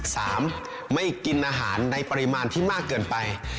สามไม่กินอาหารในปริมาณที่มากเกินไป